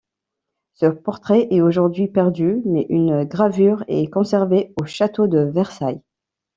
Ce portrait est aujourd'hui perdu mais une gravure est conservée au château de Versailles.